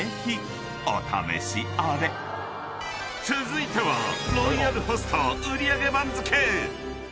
［続いては］